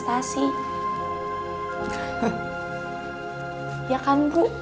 masih mereka yang paling berprestasi